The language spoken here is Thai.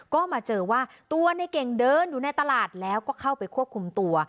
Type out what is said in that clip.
ก็มาเจอว่าตัวในเก่งเดินอยู่ในตลาดแล้วก็เข้าไปควบคุมตัว